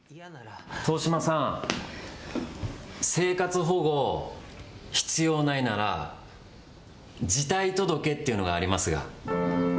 遠島さん、生活保護、必要ないなら、辞退届っていうのがありますが。